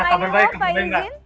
ya kabar baik kabar baik